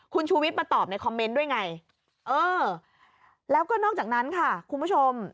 คุณชูวิทย์มาตอบในคอมเมนต์ด้วยไงเออแล้วก็นอกจากนั้นค่ะคุณผู้ชม